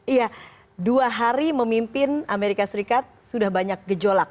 iya dua hari memimpin amerika serikat sudah banyak gejolak